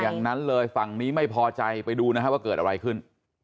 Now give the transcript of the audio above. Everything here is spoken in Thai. อย่างนั้นเลยฝั่งนี้ไม่พอใจไปดูนะฮะว่าเกิดอะไรขึ้น